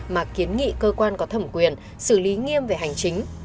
mà kiến nghị cơ quan có thẩm quyền xử lý nghiêm về hành chính